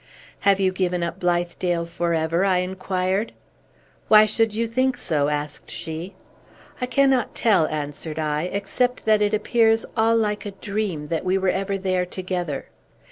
"Have you given up Blithedale forever?" I inquired. "Why should you think so?" asked she. "I cannot tell," answered I; "except that it appears all like a dream that we were ever there together."